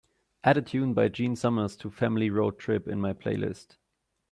Add a tune by gene summers to family road trip in my playlist